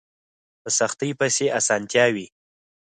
په سختۍ پسې اسانتيا وي